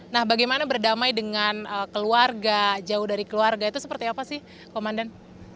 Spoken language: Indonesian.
nah bagaimana berdamai dengan keluarga jauh dari keluarga itu seperti apa sih komandan